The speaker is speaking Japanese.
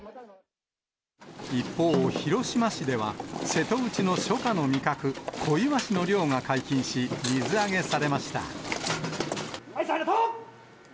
一方、広島市では瀬戸内の初夏の味覚、小イワシの漁が解禁し、水揚げされました。